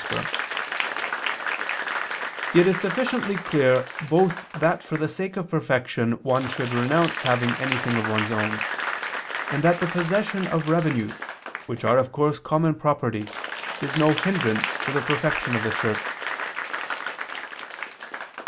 Expedit): "It is sufficiently clear both that for the sake of perfection one should renounce having anything of one's own, and that the possession of revenues, which are of course common property, is no hindrance to the perfection of the Church."